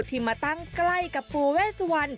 ที่มาตั้งใกล้กับปูเวสวัน